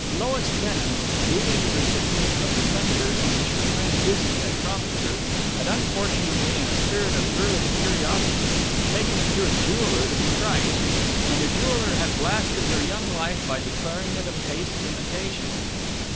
Lois Denham, duly the recipient of the sunburst which her friend Izzy had promised her, had unfortunately, in a spirit of girlish curiosity, taken it to a jeweller to be priced, and the jeweller had blasted her young life by declaring it a paste imitation.